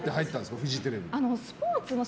フジテレビ。